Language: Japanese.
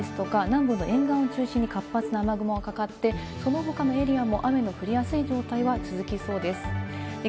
関東も北部ですとか南部の沿岸を中心に活発な雨雲がかかって、その他のエリアも雨の降りやすい状態は続きそうです。